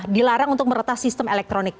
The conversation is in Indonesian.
dilarang untuk meretas sistem elektronik